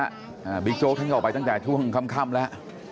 อ่าบิ๊กโจ๊กท่านก็ออกไปตั้งแต่ช่วงค่ำค่ำแล้ว